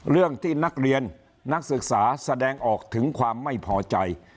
เรื่องที่นักเรียนนักศึกษาแสดงออกถึงความไม่พอใจ